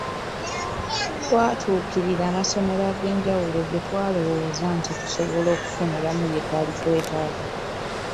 Twatuukirira amasomero ag’enjawulo ge twalowooza nti tusobola okufuniramu bye twali twetaaga.